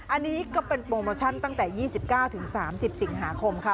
อันนี้ก็เป็นโปรโมชั่นตั้งแต่ยี่สิบเก้าถึงสามสิบสิบหาคมค่ะ